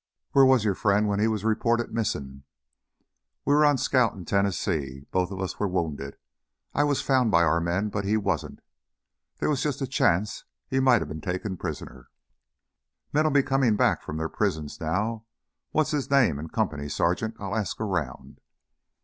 "Where was your friend when he was reported missin'?" "We were on scout in Tennessee, and both of us were wounded. I was found by our men, but he wasn't. There was just a chance he might have been taken prisoner." "Men'll be comin' back from their prisons now. What's his name and company, Sergeant? I'll ask around."